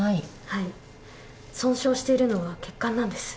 はい損傷しているのは血管なんです。